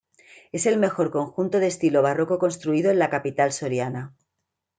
Es el mejor conjunto de estilo barroco construido en la capital soriana.